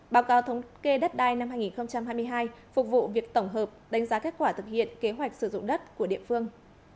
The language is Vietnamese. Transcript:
báo cáo thống kê đất đai năm hai nghìn hai mươi hai phục vụ việc tổng hợp đánh giá kết quả thực hiện kế hoạch sử dụng đất của địa phương